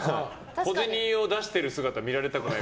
小銭を出してる姿を見られたくない。